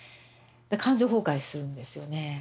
感情崩壊するんですよね。